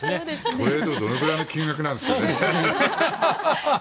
トレードどのぐらいの金額なんですかね。